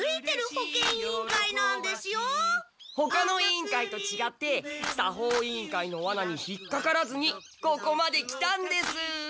ほかの委員会とちがって作法委員会のワナに引っかからずにここまで来たんです。